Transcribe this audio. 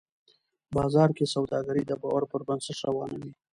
بازار کې سوداګري د باور پر بنسټ روانه وي